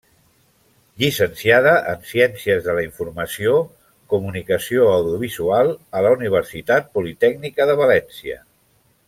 Llicenciada en Ciències de la Informació, Comunicació Audiovisual, a la Universitat Politècnica de València.